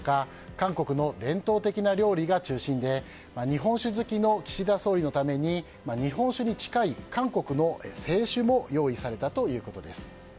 韓国の伝統的な料理が中心で日本酒好きの岸田総理のために日本酒に近い韓国の清酒も用意されたということです。